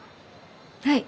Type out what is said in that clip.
はい。